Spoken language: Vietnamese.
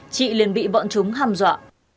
chị liền bị bọn chúng hàm dọa